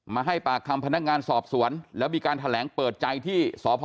ให้ปากคำพนักงานสอบสวนแล้วมีการแถลงเปิดใจที่สพ